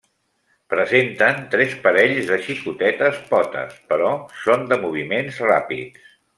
Presenten tres parells de xicotetes potes, però són de moviments ràpids.